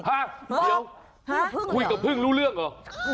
ฮะเดี๋ยวคุยกับพึ่งรู้เรื่องเหรอ